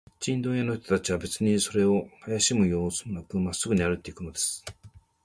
チンドン屋の人たちは、べつにそれをあやしむようすもなく、まっすぐに歩いていくのです。